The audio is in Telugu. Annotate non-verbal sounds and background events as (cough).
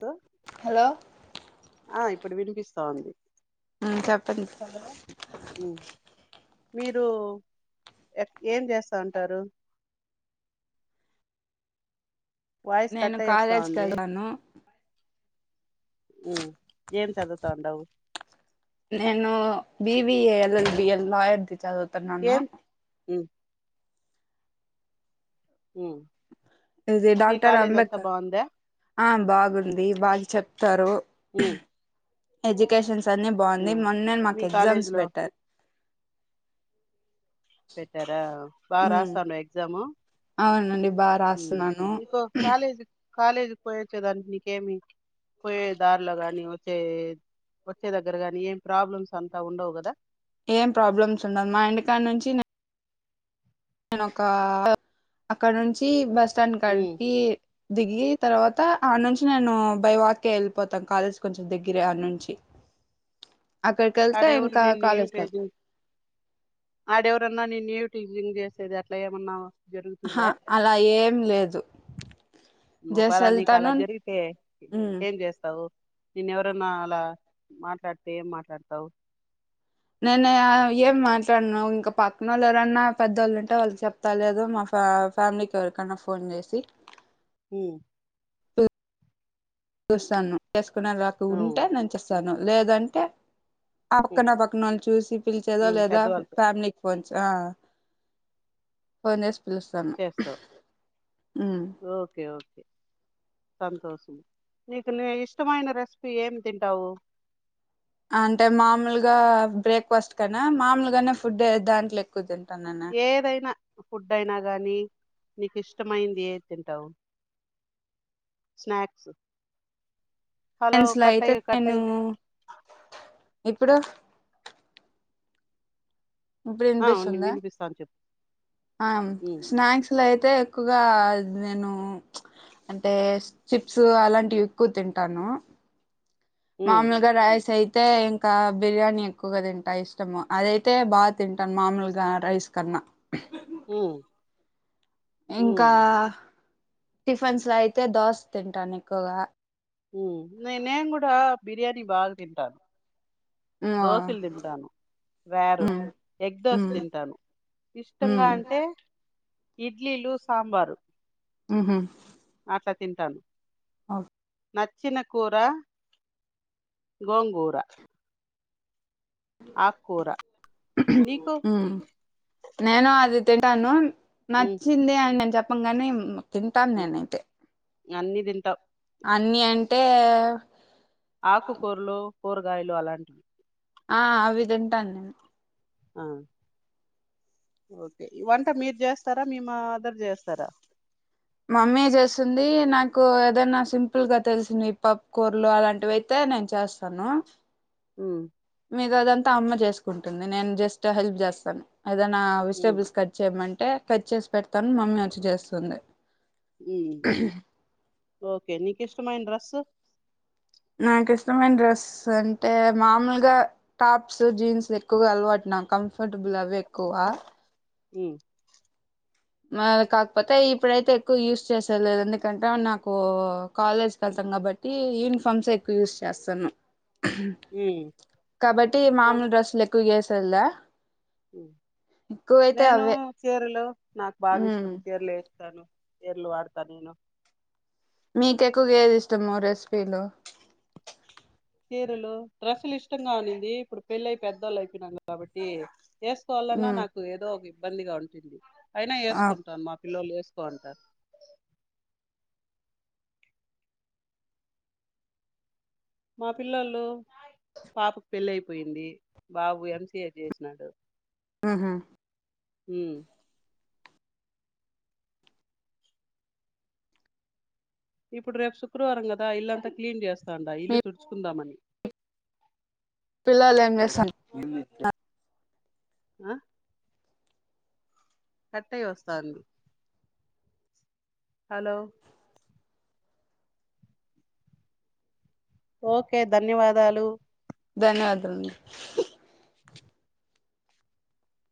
హలో ఆ ఇప్పుడు వినిపిస్తా ఉంది. మ్ చెప్పండి హలో ఉమ్ మీరు య ఏం చేస్తా ఉంటారు? వాయిస్ నేను కట్ అయి వస్తా కాలేజ్కి ఉంది. వెళ్ళాను ఉమ్ ఏం చదతాండావు? నేను బిబిఎ ఎల్ఎల్బిఎల్ లాయర్ది చదువుతున్నాను. ఏం ఉమ్ ఉ ఇది డాక్టర్ అంబేద్కర్ ఆ బాగుంది బాగ చెప్ ప్తారు. ఉమ్ ఎడ్యుకేషన్స్ అన్ని బాగున్నాయ్ ఉమ్ మొన్నే మీ మాకు కాలేజీ ఎగ్జామ్స్ లో పెట్టారు. పెట్టారా బాగా మ్ రాస్తాండ ఎగ్జాము? అవునండి బాగా ఉమ్ రాస్తున్నాను ఇంకో కాలేజు కాలేజీకి పొయ్యేచ్చేదానికి నీకేమి? పోయే దారిలో గాని వచ్చే వచ్చే దగ్గర గాని ఏం ప్రాబ్లమ్స్ అంతా ఉండవు కదా? ఏం ప్రాబ్లమ్స్ ఉండదు మా ఇంటికాడ్నుంచి నే నేను ఒక అక్కడ నుంచి బస్టాండ్ కాడ ఉమ్ దీ దిగి తర్వాత ఆడ్నుంచి నేను బైవాకే వెళ్ళిపోతా కాలేజీ కొంచెం దెగ్గిరే ఆడ్నుంచి ఆడేవరు నిన్ను కాలేజ్కి వెళ్తా ఈవ్టేజింగ్ ఆడేవరన్నా నిన్ను ఈవ్ టీజింగ్ చేసేది అట్లా ఏమన్నా? హ జరుగుతుందా అలా ఏం లేదు. జస్ట్ ఒకవేలా నీకు వెళ్తాను అలా జరిగితే ఉమ్ ఏం చేస్తావు? నిన్నెవరన్న అలా మాట్లాడితే ఏం మాట్లాడతావ్? నేను ఏం మాట్లాడను ఇంకా పక్కనోళ్ళు ఎవరన్నా పెద్దోళ్ళు ఉంటే వాళ్ళకి చెప్తా లేదు మా ఫ ఫ్యామిలీకి ఎవరికన్నా ఫోన్ చేసి ఉమ్ చూస్తాను చేసుకునేలా నాకు ఉమ్, ఉంటే నేచేస్సాను లేదంటే ఆ ఉమ్, పక్కన పక్కనవాళ్ళను చూసి పిలిచేదో ఉమ్, లేదా పెద్దవాళ్ళతో ఫ్యామిలీకి ఫోన్ చే ఆ ఫోన్ చేసి పిలస్తాను. చేస్తావు ఉమ్ (unintelligible) సంతోషం నీకు నీ ఇష్టమైన రెస్పీ ఏమి తింటావు? అంటే మామూలుగా బ్రేక్ఫాస్ట్ కనె మామూలుగానే ఫుడ్డే దాంట్లో ఎక్కుతిన్ ఏదైనా ఫుడ్ అయినా గాని నీకు ఇష్టమైంది ఏది తింటావు? స్నాక్సు. హేన్సు లో అయితే నేను ఇప్పుడు ఇప్పుడు ఇనిపిస్తుందా వినిపిస్తాను చెప్పు ఉమ్, స్నాక్ లో తే ఎక్కువగా నేను అంటే చిప్స్ అలాంటివి ఎక్కు తింటాను ఉమ్, మాములుగా రైస్ అయ్ తే ఇంకా బిర్యానీ ఎక్కువగా తింటా ఇష్టము. అదైతే బా తింటాను మామూలుగా రైస్ కన్నా ఉమ్ ఇంకా ఉమ్. టిఫన్స్ లో అయితే దోశ తింటాను ఎక్కువగా ఉమ్ నే నేను గూడా బిర్యానీ బాగా తింటాను ఉమ్, దోసలు తింటాను. రేరు ఉమ్, ఎగ్ దోశ ఉమ్, తింటాను. ఇష్టంగా ఉమ్, అంటే ఇడ్లీలు, సాంబారు. ఊహ్మ్ అట్ల తింటాను ఓ నచ్చినకూర గోంగూర ఆకుకూర నీకు ఉమ్ నేను అది తిన్ టను ఉమ్, నచ్చిందే అని నేను చెప్పను గాని తింటాను నేనైతే అన్నీ తింటావ్ అన్ని అంటే ఆకుకూరలు, కూరగాయలు అలాంటివి. ఆ అవి తింటాను నేను ఆ ఓకే వంట మీరు జేస్తారా మీ మా దర్ జేస్తారా మమ్మీ జేస్తుంది. నాకు ఏదైనా సింపుల్ గా తెలిసింది. పప్ కూరలు అలాంటివి అయితే టె నేను చేస్తాను ఊమ్ మీద అదంతా అమ్మ జేసుకుంటుంది. నేను జస్ట్ హెల్ప్ జేస్తాను. ఏదనా ఉమ్, వెజిటేబుల్స్ కట్ చేయమం టే కట్ చేసి పెడతన్ మమ్మీ అచ్చి జేస్తుంది. ఊమ్ ఓకే నీకు ఇష్టమైన డ్రస్స్ నాకు ఇష్టమైన డ్రెస్స్ అంటే మామూలుగా టాప్స్, జీన్స్ ఎక్కువగా అలవాట్ నా కంఫర్టబుల్ అవె ఎక్కువ. ఊమ్ మ కాకపోతే ఇప్పుడైతే ఎక్కువ యూస్ చేసేలేద్ ఎందుకంటే నాకు కాలేజ్ కి వెళ్తం గాబట్టి యూనిఫామ్స్ ఏ ఎక్కువ యూస్ చేస్తాను. ఉహ్ డ్రస్సు కాబట్టి మామూలు డ్రస్సులు ఎక్కువ ఏసేద్లా ఉమ్ నేను చీరలు నాకు బాగా ఉమ్ ఇష్టం. చీరలు ఏస్తాను. ఎర్లు వాడతా నేను మీకు ఎక్కువగా ఏది ఇష్టము రెసిపీలు చీరలు, డ్రస్లు ఇష్టంగా ఉండింది ఇప్పుడు పెళ్ళయి పెద్దోళ్ళు అయిపోయినరూ కాబట్టి ఏసుకోవాలన్నా ఉమ్ నాకు ఏదో ఒక ఇబ్బందిగా ఉంటుంది. అయినా ఆ ఏసుకుంటాను మా పిల్లలు ఏ కొంటారు మా పిల్లోల్లు పాపకు పెళ్ళి అయిపోయింది. బాబు ఎంసీఏ జేసినాడు. ఊహ్మ్ హు ఉ ఇప్పుడు రేపు శుక్రవారం కదా ఇల్లంతా క్లీన్ చేస్తాండా. ఇల్లు మీ తుడుచుకుందామని (unintelligible) పిల్లలు ఏం చేస్తాను ఆ కట్టయి వస్తాంది హలో ఓకే ధన్యవాదాలు ధన్యవాదాలు